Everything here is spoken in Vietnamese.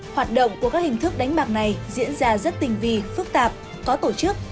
hoạt động của các hình thức đánh bạc này diễn ra rất tình vì phức tạp có tổ chức